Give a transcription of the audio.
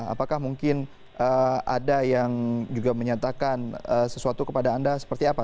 apakah mungkin ada yang juga menyatakan sesuatu kepada anda seperti apa